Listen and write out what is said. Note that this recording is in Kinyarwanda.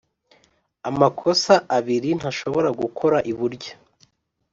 amakosa abiri ntashobora gukora iburyo